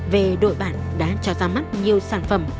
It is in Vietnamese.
về đội bản đã cho ra mắt nhiều sản phẩm